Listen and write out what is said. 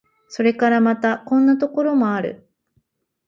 それからまた、こんなところもある。